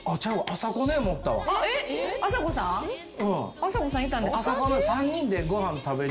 あさこさんいたんですか？